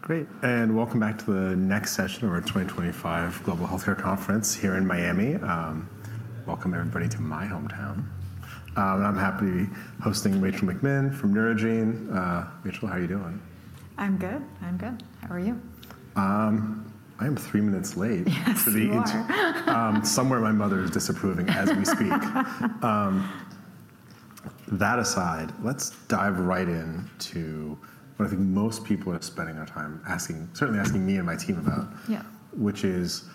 Great. Welcome back to the next session of our 2025 Global Healthcare Conference here in Miami. Welcome, everybody, to my hometown. I'm happy to be hosting Rachel McMinn from Neurogene. Rachel, how are you doing? I'm good. I'm good. How are you? I am three minutes late to the interview. Somewhere, my mother is disapproving as we speak. That aside, let's dive right into what I think most people are spending their time asking, certainly asking me and my team about, which is,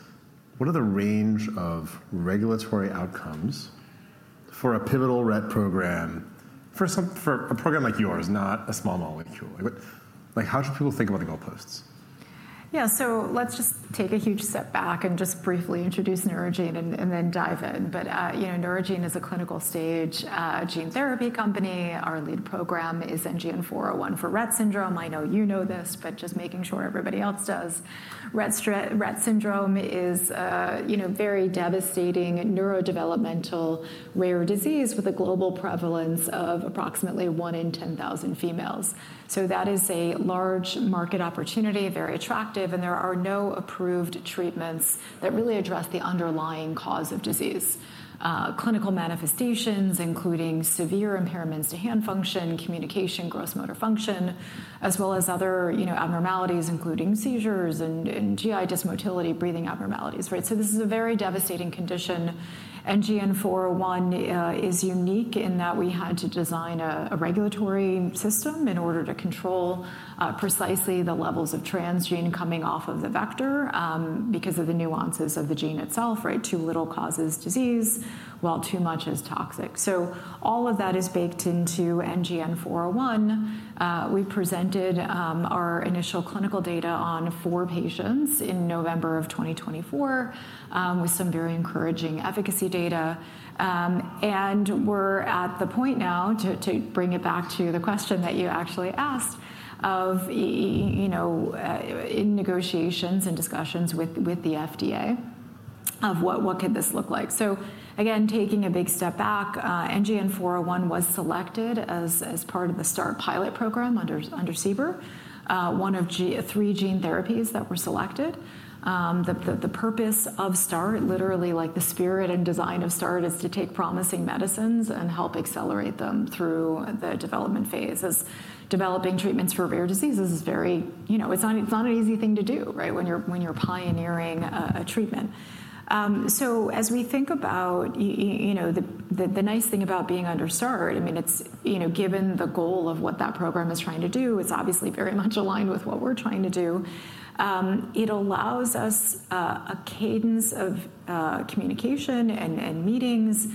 what are the range of regulatory outcomes for a pivotal Rett program, for a program like yours, not a small molecule? How should people think about the goalposts? Yeah, so let's just take a huge step back and just briefly introduce Neurogene and then dive in. But Neurogene is a clinical stage gene therapy company. Our lead program is NGN-401 for Rett Syndrome. I know you know this, but just making sure everybody else does. Rett Syndrome is a very devastating neurodevelopmental rare disease with a global prevalence of approximately 1 in 10,000 females. That is a large market opportunity, very attractive, and there are no approved treatments that really address the underlying cause of disease. Clinical manifestations, including severe impairments to hand function, communication, gross motor function, as well as other abnormalities, including seizures and GI dysmotility, breathing abnormalities. This is a very devastating condition. NGN-401 is unique in that we had to design a regulatory system in order to control precisely the levels of transgene coming off of the vector because of the nuances of the gene itself. Too little causes disease while too much is toxic. All of that is baked into NGN-401. We presented our initial clinical data on four patients in November of 2024 with some very encouraging efficacy data. We are at the point now to bring it back to the question that you actually asked in negotiations and discussions with the FDA of what could this look like. Taking a big step back, NGN-401 was selected as part of the START pilot program under CBER, one of three gene therapies that were selected. The purpose of START, literally like the spirit and design of START, is to take promising medicines and help accelerate them through the development phase. Developing treatments for rare diseases is very, it's not an easy thing to do when you're pioneering a treatment. As we think about the nice thing about being under START, given the goal of what that program is trying to do, it's obviously very much aligned with what we're trying to do. It allows us a cadence of communication and meetings,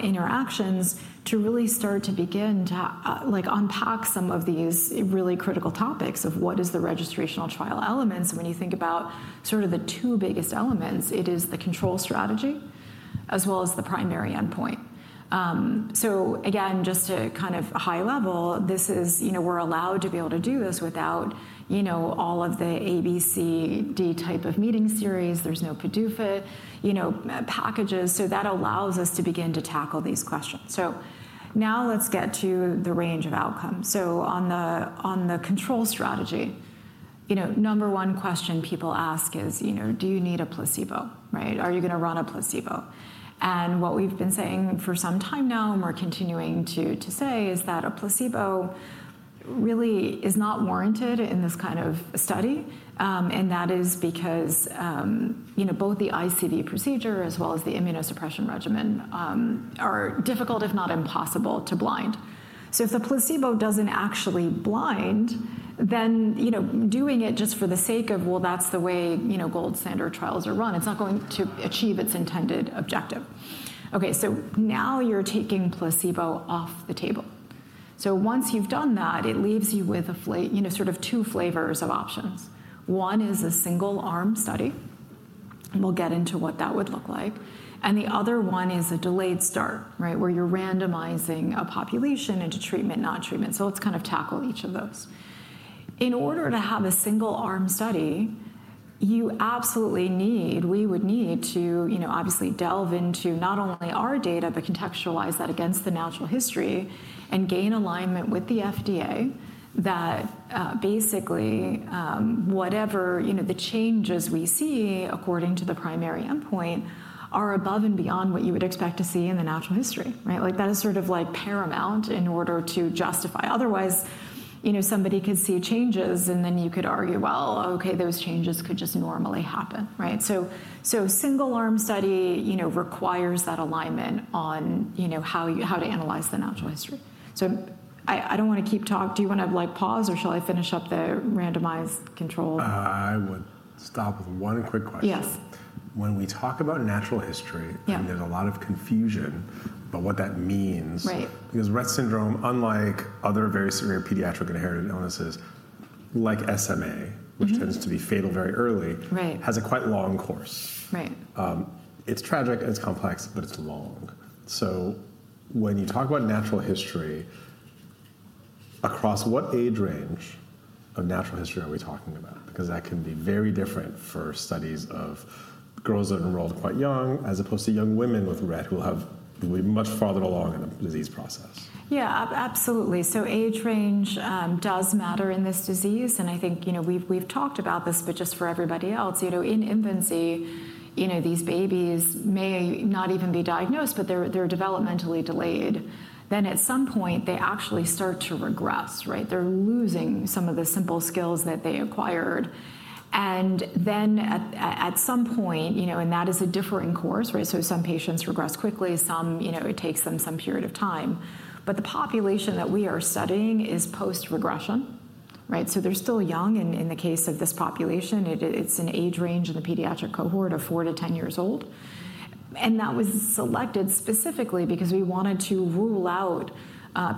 interactions to really start to begin to unpack some of these really critical topics of what is the registrational trial elements. When you think about sort of the two biggest elements, it is the control strategy as well as the primary endpoint. Again, just to kind of high level, we're allowed to be able to do this without all of the ABCD type of meeting series. There's no PDUFA packages. That allows us to begin to tackle these questions. Now let's get to the range of outcomes. On the control strategy, number one question people ask is, do you need a placebo? Are you going to run a placebo? What we've been saying for some time now, and we're continuing to say, is that a placebo really is not warranted in this kind of study. That is because both the ICV procedure as well as the immunosuppression regimen are difficult, if not impossible, to blind. If the placebo doesn't actually blind, then doing it just for the sake of, well, that's the way gold standard trials are run, it's not going to achieve its intended objective. Now you're taking placebo off the table. Once you've done that, it leaves you with sort of two flavors of options. One is a single arm study. We'll get into what that would look like. The other one is a delayed start, where you're randomizing a population into treatment, non-treatment. Let's kind of tackle each of those. In order to have a single arm study, you absolutely need, we would need to obviously delve into not only our data, but contextualize that against the natural history and gain alignment with the FDA that basically whatever the changes we see according to the primary endpoint are above and beyond what you would expect to see in the natural history. That is sort of paramount in order to justify. Otherwise, somebody could see changes and then you could argue, OK, those changes could just normally happen. Single arm study requires that alignment on how to analyze the natural history. I do not want to keep talking. Do you want to pause or shall I finish up the randomized control? I would stop with one quick question. Yes. When we talk about natural history, there's a lot of confusion about what that means. Because Rett Syndrome, unlike other very severe pediatric inherited illnesses like SMA, which tends to be fatal very early, has a quite long course. It's tragic and it's complex, but it's long. When you talk about natural history, across what age range of natural history are we talking about? That can be very different for studies of girls that are enrolled quite young as opposed to young women with Rett who will be much farther along in the disease process. Yeah, absolutely. Age range does matter in this disease. I think we've talked about this, but just for everybody else, in infancy, these babies may not even be diagnosed, but they're developmentally delayed. At some point, they actually start to regress. They're losing some of the simple skills that they acquired. At some point, and that is a differing course. Some patients regress quickly. It takes them some period of time. The population that we are studying is post-regression. They're still young. In the case of this population, it's an age range in the pediatric cohort of 4-10 years old. That was selected specifically because we wanted to rule out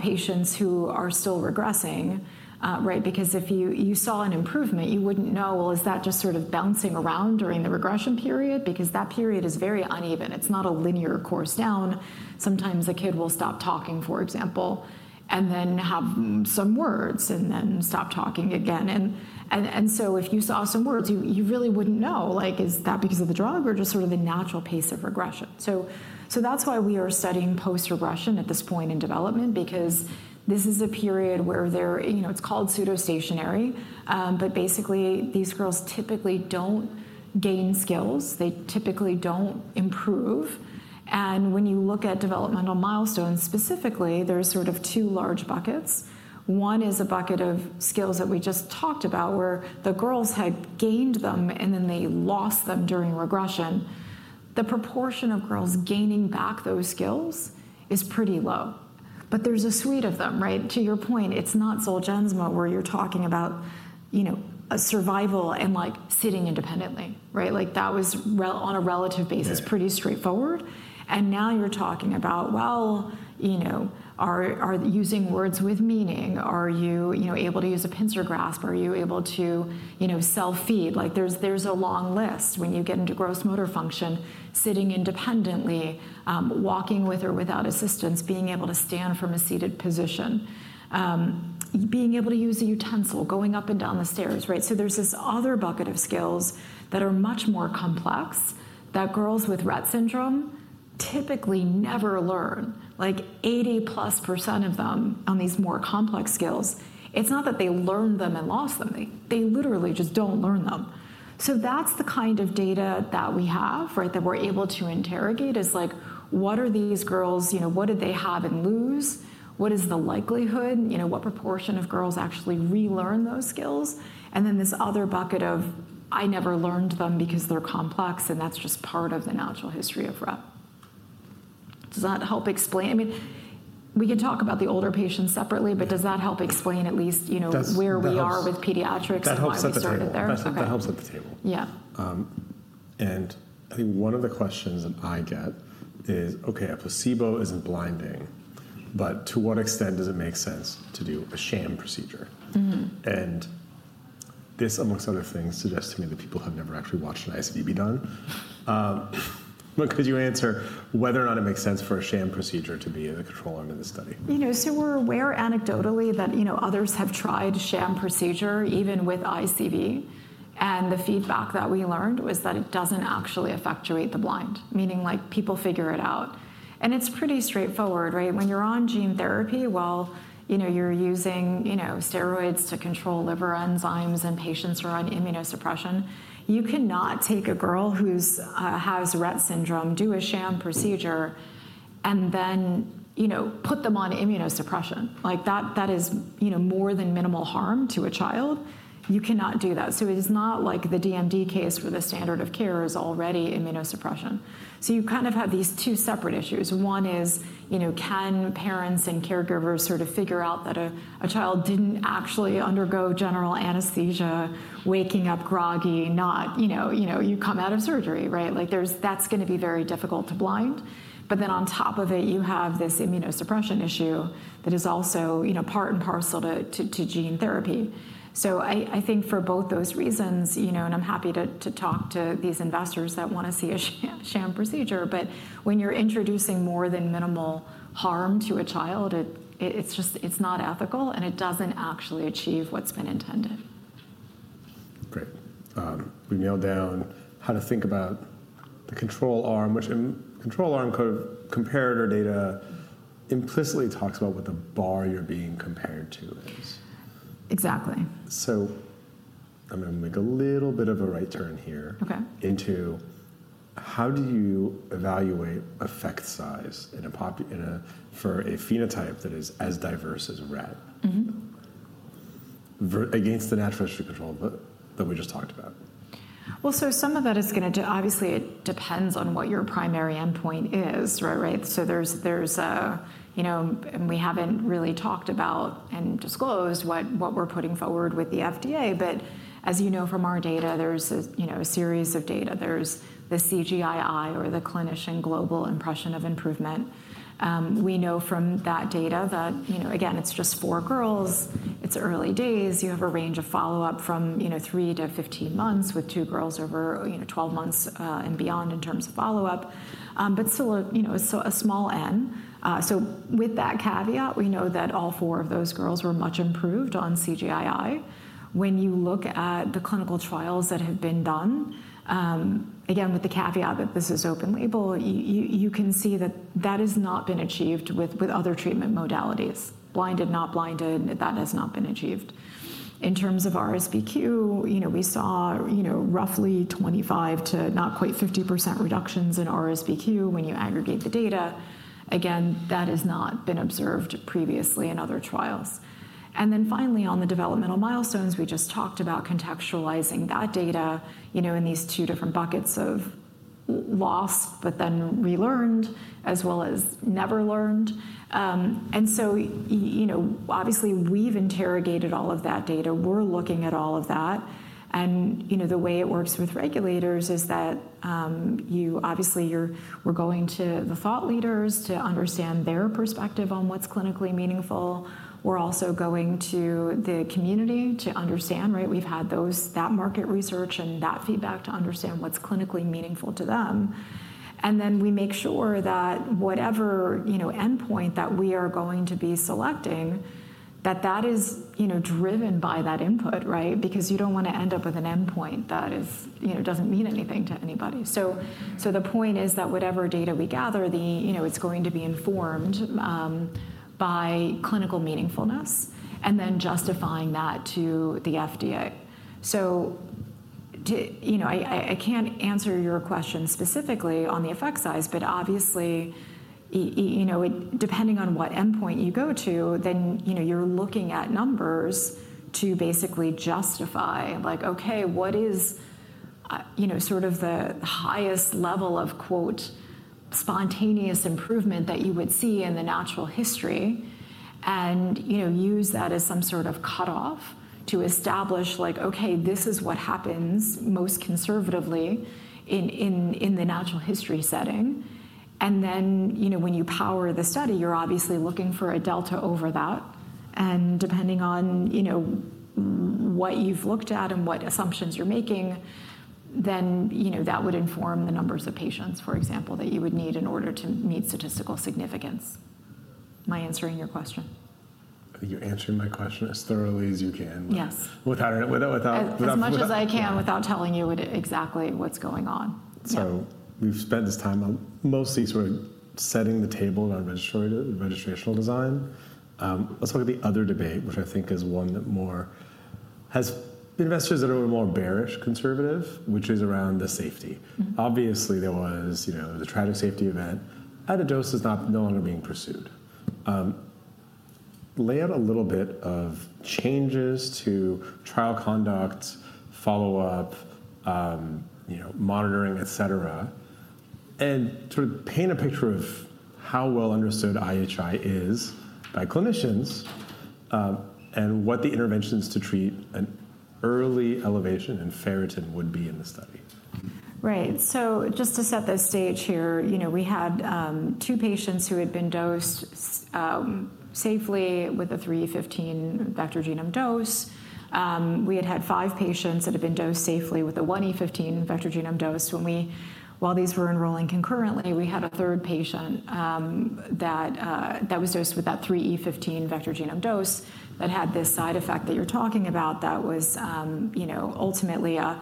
patients who are still regressing. If you saw an improvement, you wouldn't know, is that just sort of bouncing around during the regression period? Because that period is very uneven. It's not a linear course down. Sometimes a kid will stop talking, for example, and then have some words and then stop talking again. If you saw some words, you really wouldn't know, is that because of the drug or just sort of the natural pace of regression? That is why we are studying post-regression at this point in development, because this is a period where it's called pseudo-stationary. Basically, these girls typically don't gain skills. They typically don't improve. When you look at developmental milestones specifically, there are sort of two large buckets. One is a bucket of skills that we just talked about, where the girls had gained them and then they lost them during regression. The proportion of girls gaining back those skills is pretty low. There is a suite of them. To your point, it's not Zolgensma where you're talking about survival and sitting independently. That was on a relative basis, pretty straightforward. Now you're talking about, are you using words with meaning? Are you able to use a pincer grasp? Are you able to self-feed? There's a long list when you get into gross motor function, sitting independently, walking with or without assistance, being able to stand from a seated position, being able to use a utensil, going up and down the stairs. There is this other bucket of skills that are much more complex that girls with Rett Syndrome typically never learn. 80%+ of them on these more complex skills, it's not that they learned them and lost them. They literally just don't learn them. That's the kind of data that we have that we're able to interrogate, like, what are these girls? What did they have and lose? What is the likelihood? What proportion of girls actually relearn those skills? Then this other bucket of, I never learned them because they're complex, and that's just part of the natural history of Rett. Does that help explain? We can talk about the older patients separately, but does that help explain at least where we are with pediatrics? That helps at the table. Yeah. I think one of the questions that I get is, OK, a placebo is not blinding, but to what extent does it make sense to do a sham procedure? This, among other things, suggests to me that people have never actually watched an ICV be done. Could you answer whether or not it makes sense for a sham procedure to be the control arm of this study? We're aware anecdotally that others have tried sham procedure, even with ICV. The feedback that we learned was that it does not actually effectuate the blind, meaning people figure it out. It is pretty straightforward. When you're on gene therapy, you're using steroids to control liver enzymes and patients are on immunosuppression. You cannot take a girl who has Rett Syndrome, do a sham procedure, and then put them on immunosuppression. That is more than minimal harm to a child. You cannot do that. It is not like the DMD case where the standard of care is already immunosuppression. You kind of have these two separate issues. One is, can parents and caregivers sort of figure out that a child did not actually undergo general anesthesia, waking up groggy, not you come out of surgery? That is going to be very difficult to blind. Then on top of it, you have this immunosuppression issue that is also part and parcel to gene therapy. I think for both those reasons, and I'm happy to talk to these investors that want to see a sham procedure, but when you're introducing more than minimal harm to a child, it's not ethical and it doesn't actually achieve what's been intended. Great. We nailed down how to think about the control arm, which control arm comparator data implicitly talks about what the bar you're being compared to is. Exactly. I'm going to make a little bit of a right turn here into how do you evaluate effect size for a phenotype that is as diverse as Rett against the natural history control that we just talked about? Some of that is going to obviously depend on what your primary endpoint is. We have not really talked about and disclosed what we are putting forward with the FDA. As you know from our data, there is a series of data. There is the CGI-I or the Clinician Global Impression of Improvement. We know from that data that, again, it is just four girls. It is early days. You have a range of follow-up from 3-15 months with two girls over 12 months and beyond in terms of follow-up, but still a small N. With that caveat, we know that all four of those girls were much improved on CGI-I. When you look at the clinical trials that have been done, again, with the caveat that this is open label, you can see that that has not been achieved with other treatment modalities. Blinded, not blinded, that has not been achieved. In terms of RSBQ, we saw roughly 25% to not quite 50% reductions in RSBQ when you aggregate the data. Again, that has not been observed previously in other trials. Finally, on the developmental milestones, we just talked about contextualizing that data in these two different buckets of lost but then relearned as well as never learned. Obviously, we've interrogated all of that data. We're looking at all of that. The way it works with regulators is that obviously, we're going to the thought leaders to understand their perspective on what's clinically meaningful. We're also going to the community to understand. We've had that market research and that feedback to understand what's clinically meaningful to them. We make sure that whatever endpoint that we are going to be selecting, that that is driven by that input. You do not want to end up with an endpoint that does not mean anything to anybody. The point is that whatever data we gather, it is going to be informed by clinical meaningfulness and then justifying that to the FDA. I cannot answer your question specifically on the effect size, but obviously, depending on what endpoint you go to, then you are looking at numbers to basically justify, like, OK, what is sort of the highest level of "spontaneous improvement" that you would see in the natural history? Use that as some sort of cutoff to establish, like, OK, this is what happens most conservatively in the natural history setting. When you power the study, you are obviously looking for a delta over that. Depending on what you've looked at and what assumptions you're making, that would inform the numbers of patients, for example, that you would need in order to meet statistical significance. Am I answering your question? You're answering my question as thoroughly as you can. Yes. As much as I can without telling you exactly what's going on. We have spent this time mostly sort of setting the table on registrational design. Let's look at the other debate, which I think is one that more has investors that are a little more bearish conservative, which is around the safety. Obviously, there was a tragic safety event. Added dose is no longer being pursued. Lay out a little bit of changes to trial conduct, follow-up, monitoring, et cetera, and sort of paint a picture of how well understood HLH is by clinicians and what the interventions to treat an early elevation in ferritin would be in the study. Right. Just to set the stage here, we had two patients who had been dosed safely with a 3E15 vg dose. We had had five patients that had been dosed safely with a 1E15 vg dose. While these were enrolling concurrently, we had a third patient that was dosed with that 3E15 vg dose that had this side effect that you're talking about that was ultimately a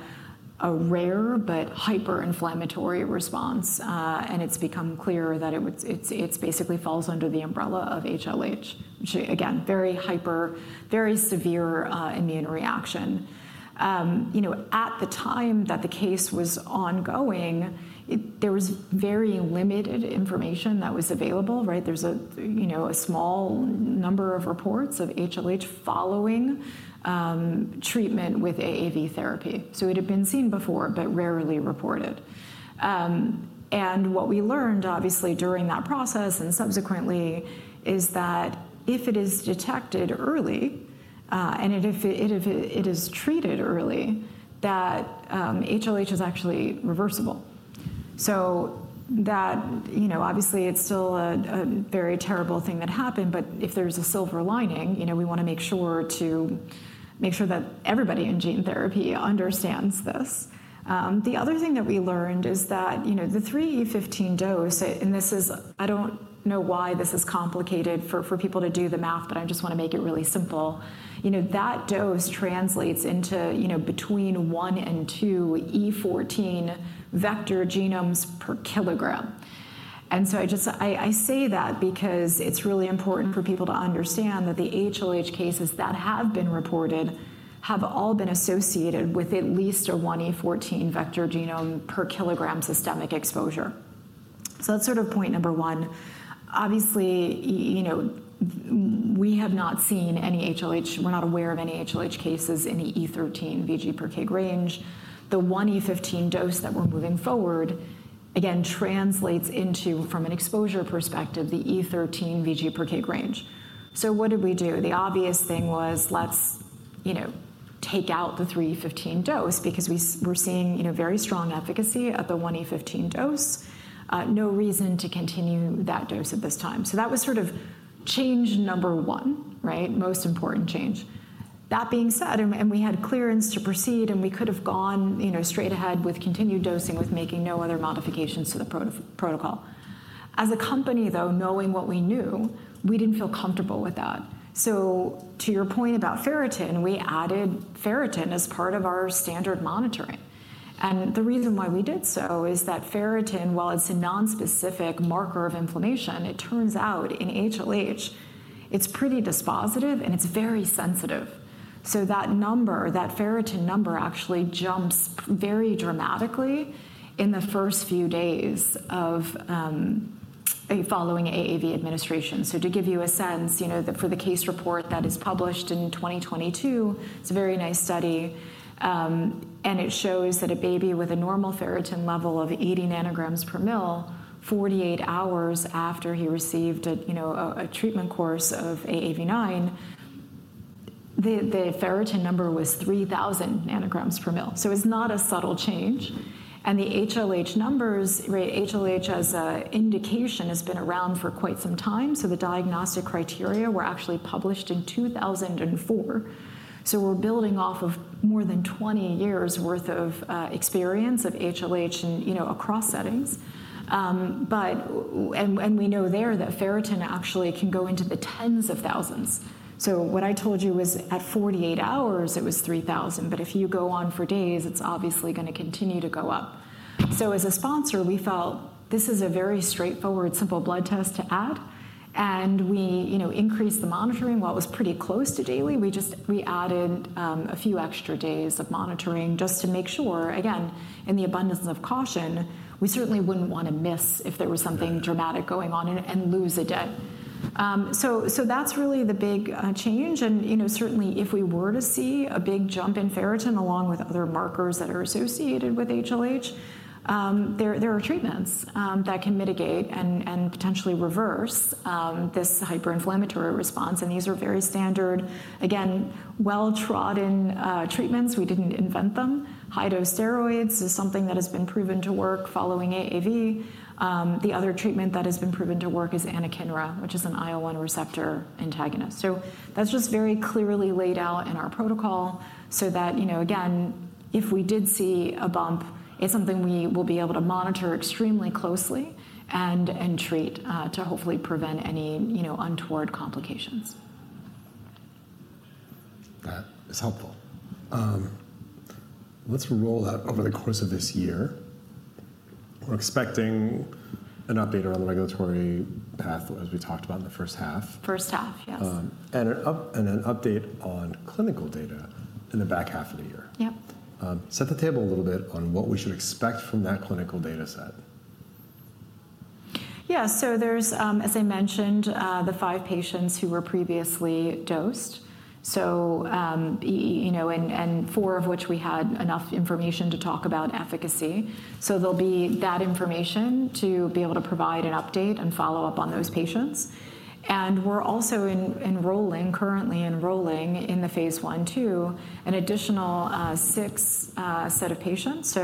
rare but hyper-inflammatory response. It has become clear that it basically falls under the umbrella of HLH, which, again, very severe, very severe immune reaction. At the time that the case was ongoing, there was very limited information that was available. There is a small number of reports of HLH following treatment with AAV therapy. It had been seen before, but rarely reported. What we learned, obviously, during that process and subsequently is that if it is detected early and if it is treated early, that HLH is actually reversible. That, obviously, it's still a very terrible thing that happened. If there's a silver lining, we want to make sure to make sure that everybody in gene therapy understands this. The other thing that we learned is that the 3E15 dose, and this is I do not know why this is complicated for people to do the math, but I just want to make it really simple. That dose translates into between 1 and 2E14 vg/kg. I say that because it's really important for people to understand that the HLH cases that have been reported have all been associated with at least a 1E14 vg/kg systemic exposure. That's sort of point number one. Obviously, we have not seen any HLH. We're not aware of any HLH cases in the E13 vg/kg range. The 1E15 dose that we're moving forward, again, translates into, from an exposure perspective, the E13 vg/kg range. What did we do? The obvious thing was, let's take out the 3E15 dose because we're seeing very strong efficacy at the 1E15 dose. No reason to continue that dose at this time. That was sort of change number one, most important change. That being said, we had clearance to proceed, and we could have gone straight ahead with continued dosing with making no other modifications to the protocol. As a company, though, knowing what we knew, we didn't feel comfortable with that. To your point about ferritin, we added ferritin as part of our standard monitoring. The reason why we did so is that ferritin, while it's a nonspecific marker of inflammation, it turns out in HLH, it's pretty dispositive and it's very sensitive. That number, that ferritin number, actually jumps very dramatically in the first few days of following AAV administration. To give you a sense, for the case report that is published in 2022, it's a very nice study. It shows that a baby with a normal ferritin level of 80 ng/ml, 48 hours after he received a treatment course of AAV9, the ferritin number was 3,000 ng/ml. It's not a subtle change. The HLH numbers, HLH as an indication has been around for quite some time. The diagnostic criteria were actually published in 2004. We're building off of more than 20 years' worth of experience of HLH across settings. We know there that ferritin actually can go into the tens of thousands. What I told you was at 48 hours, it was 3,000. If you go on for days, it's obviously going to continue to go up. As a sponsor, we felt this is a very straightforward, simple blood test to add. We increased the monitoring. While it was pretty close to daily, we just added a few extra days of monitoring just to make sure, again, in the abundance of caution, we certainly wouldn't want to miss if there was something dramatic going on and lose a day. That's really the big change. Certainly, if we were to see a big jump in ferritin along with other markers that are associated with HLH, there are treatments that can mitigate and potentially reverse this hyper-inflammatory response. These are very standard, again, well-trodden treatments. We did not invent them. High-dose steroids is something that has been proven to work following AAV. The other treatment that has been proven to work is anakinra, which is an IL-1 receptor antagonist. That is just very clearly laid out in our protocol so that, again, if we did see a bump, it is something we will be able to monitor extremely closely and treat to hopefully prevent any untoward complications. That is helpful. Let's roll out over the course of this year. We're expecting an update around the regulatory path, as we talked about in the first half. First half, yes. Expect an update on clinical data in the back half of the year? Yep. Set the table a little bit on what we should expect from that clinical data set. Yeah. There is, as I mentioned, the five patients who were previously dosed, and four of which we had enough information to talk about efficacy. There will be that information to be able to provide an update and follow up on those patients. We are also currently enrolling in the phase I/II an additional sixth set of patients.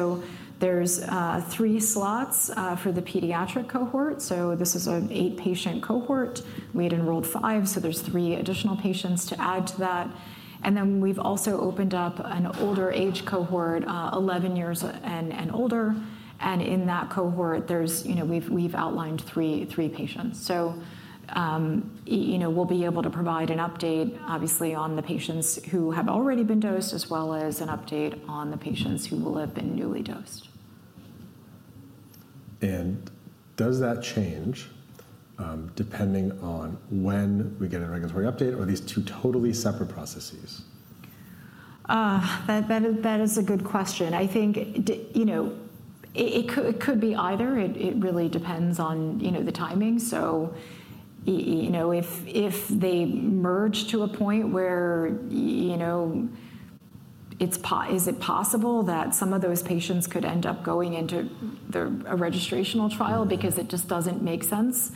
There are three slots for the pediatric cohort. This is an eight-patient cohort. We had enrolled five. There are three additional patients to add to that. We have also opened up an older age cohort, 11 years and older. In that cohort, we have outlined three patients. We will be able to provide an update, obviously, on the patients who have already been dosed as well as an update on the patients who will have been newly dosed. Does that change depending on when we get a regulatory update or are these two totally separate processes? That is a good question. I think it could be either. It really depends on the timing. If they merge to a point where it's possible that some of those patients could end up going into a registrational trial because it just doesn't make sense,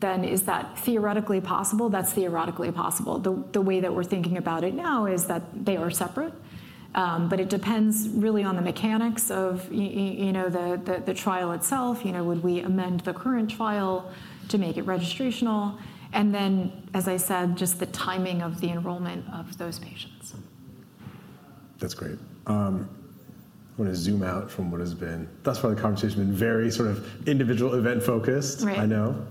then is that theoretically possible? That's theoretically possible. The way that we're thinking about it now is that they are separate. It depends really on the mechanics of the trial itself. Would we amend the current trial to make it registrational? As I said, just the timing of the enrollment of those patients. That's great. I want to zoom out from what has been thus far, the conversation has been very sort of individual event-focused. Right. I know.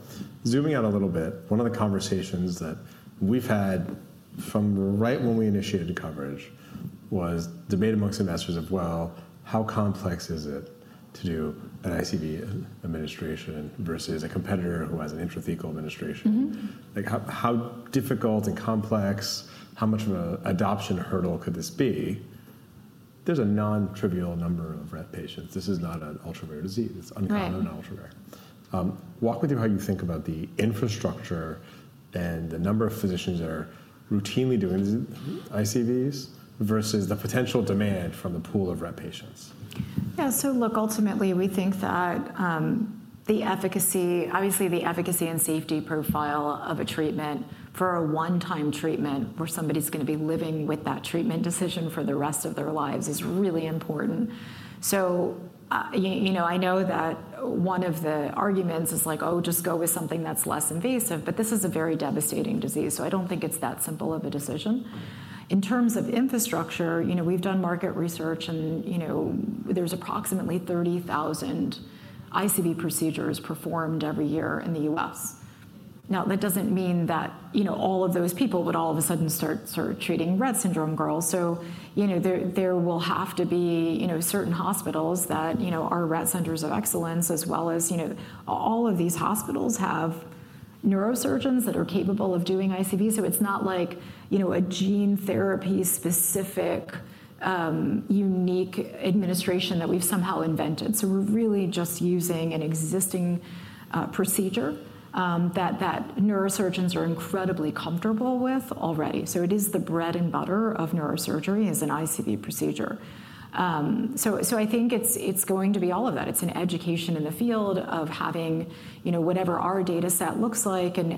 Zooming out a little bit, one of the conversations that we've had from right when we initiated coverage was debate amongst investors of, well, how complex is it to do an ICV administration versus a competitor who has an intrathecal administration? How difficult and complex? How much of an adoption hurdle could this be? There's a non-trivial number of Rett patients. This is not an ultra-rare disease. It's uncommon and ultra-rare. Walk me through how you think about the infrastructure and the number of physicians that are routinely doing ICVs versus the potential demand from the pool of Rett patients. Yeah. So look, ultimately, we think that the efficacy, obviously, the efficacy and safety profile of a treatment for a one-time treatment where somebody's going to be living with that treatment decision for the rest of their lives is really important. I know that one of the arguments is like, oh, just go with something that's less invasive. This is a very devastating disease. I don't think it's that simple of a decision. In terms of infrastructure, we've done market research. There are approximately 30,000 ICV procedures performed every year in the U.S. Now, that doesn't mean that all of those people would all of a sudden start treating Rett Syndrome girls. There will have to be certain hospitals that are Rett centers of excellence as well as all of these hospitals have neurosurgeons that are capable of doing ICV. It is not like a gene therapy-specific unique administration that we have somehow invented. We are really just using an existing procedure that neurosurgeons are incredibly comfortable with already. It is the bread and butter of neurosurgery as an ICV procedure. I think it is going to be all of that. It is an education in the field of having whatever our data set looks like and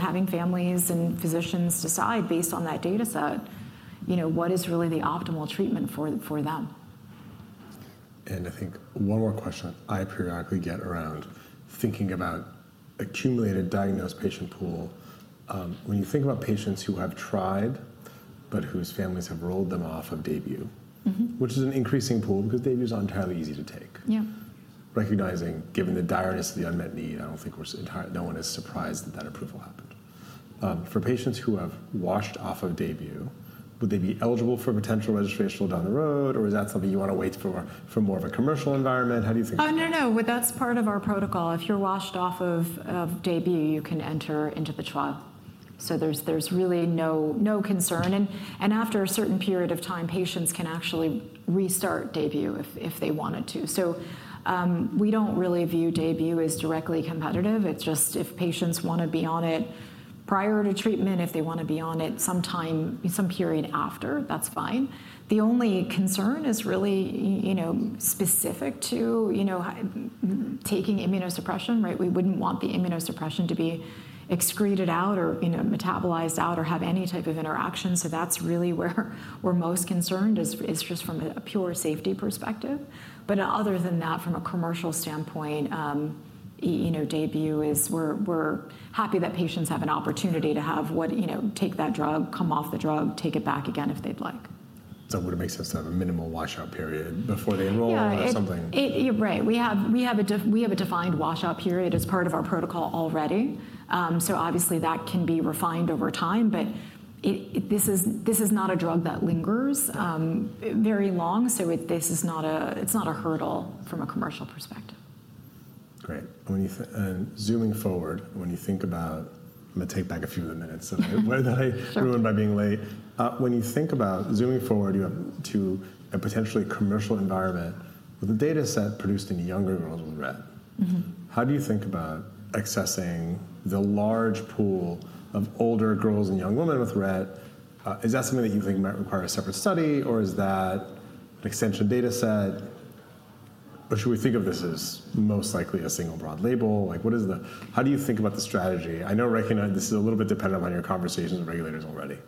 having families and physicians decide based on that data set what is really the optimal treatment for them. I think one more question I periodically get around thinking about accumulated diagnosed patient pool. When you think about patients who have tried but whose families have rolled them off of DAYBUE, which is an increasing pool because DAYBUE is not entirely easy to take. Yeah. Recognizing, given the direness of the unmet need, I don't think no one is surprised that that approval happened. For patients who have washed off of DAYBUE, would they be eligible for potential registration down the road? Or is that something you want to wait for more of a commercial environment? How do you think? Oh, no, no. That's part of our protocol. If you're washed off of DAYBUE, you can enter into the trial. There's really no concern. After a certain period of time, patients can actually restart DAYBUE if they wanted to. We don't really view DAYBUE as directly competitive. It's just if patients want to be on it prior to treatment, if they want to be on it some period after, that's fine. The only concern is really specific to taking immunosuppression. We wouldn't want the immunosuppression to be excreted out or metabolized out or have any type of interaction. That's really where we're most concerned, just from a pure safety perspective. Other than that, from a commercial standpoint, DAYBUE is, we're happy that patients have an opportunity to take that drug, come off the drug, take it back again if they'd like. It would make sense to have a minimal washout period before they enroll or something. Right. We have a defined washout period as part of our protocol already. Obviously, that can be refined over time. This is not a drug that lingers very long. It is not a hurdle from a commercial perspective. Great. Zooming forward, when you think about, I'm going to take back a few of the minutes. Sure. That I ruined by being late. When you think about zooming forward, you have to a potentially commercial environment with a data set produced in younger girls with Rett. How do you think about accessing the large pool of older girls and young women with Rett? Is that something that you think might require a separate study? Or is that an extension data set? Or should we think of this as most likely a single broad label? How do you think about the strategy? I know this is a little bit dependent upon your conversations with regulators already.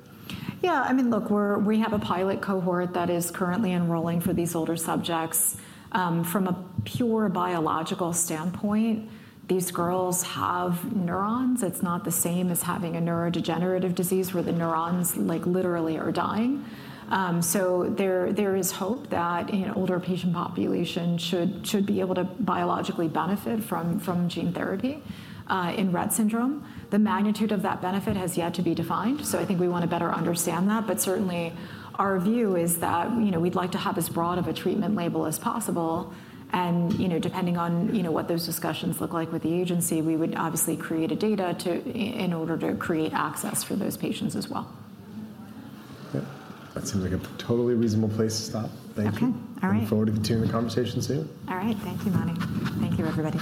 Yeah. I mean, look, we have a pilot cohort that is currently enrolling for these older subjects. From a pure biological standpoint, these girls have neurons. It's not the same as having a neurodegenerative disease where the neurons literally are dying. There is hope that an older patient population should be able to biologically benefit from gene therapy in Rett Syndrome. The magnitude of that benefit has yet to be defined. I think we want to better understand that. Certainly, our view is that we'd like to have as broad of a treatment label as possible. Depending on what those discussions look like with the agency, we would obviously create data in order to create access for those patients as well. That seems like a totally reasonable place to stop. Thank you. OK. Looking forward to continuing the conversation soon. All right. Thank you, Mani. Thank you, everybody.